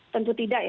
tentu tidak ya